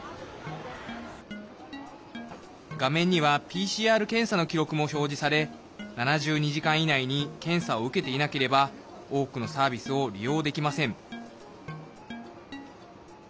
画面にはＰＣＲ検査の記録も表示され７２時間以内に検査を受けていなければ多くのサービスを利用できません。